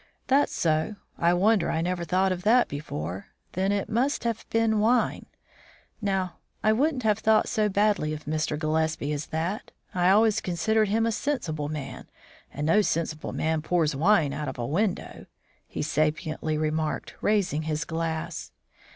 "That's so. I wonder I never thought of that before. Then it must have been wine. Now, I wouldn't have thought so badly of Mr. Gillespie as that. I always considered him a sensible man, and no sensible man pours wine out of a window," he sapiently remarked, raising his glass.